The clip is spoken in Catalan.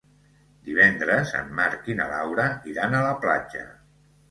Divendres en Marc i na Laura iran a la platja.